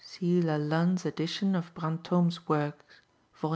See Lalanne's edition of Brantôme's Works, vol.